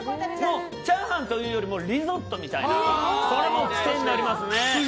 チャーハンというよりもリゾットみたいなこれも癖になりますね。